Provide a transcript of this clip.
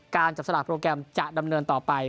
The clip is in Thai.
จับสลากโปรแกรมจะดำเนินต่อไป